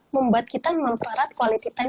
membuat kita memperarat quality time